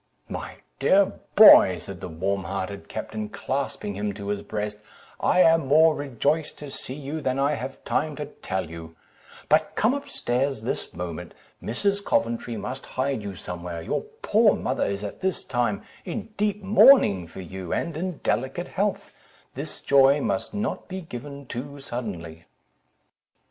"My dear boy!" said the warm hearted captain, clasping him to his breast, "I am more rejoiced to see you, than I have time to tell you; but come up stairs this moment; Mrs. Coventry must hide you somewhere; your poor mother is at this time in deep mourning for you, and in delicate health; this joy must not be given too suddenly."